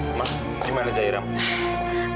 mama bagaimana zairah